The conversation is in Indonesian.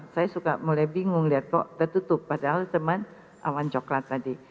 saya suka mulai bingung lihat kok tertutup padahal teman awan coklat tadi